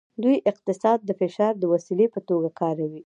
دوی اقتصاد د فشار د وسیلې په توګه کاروي